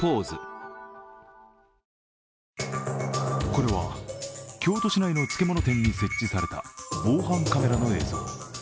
これは、京都市内の漬物店に設置された防犯カメラの映像。